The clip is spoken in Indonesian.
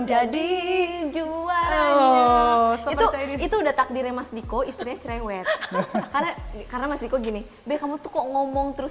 jadi juara itu udah takdir mas diko istrinya cewek karena masih kok gini deh kamu tuh ngomong terus